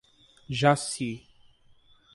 Jaci